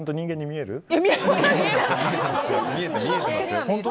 見えてますよ。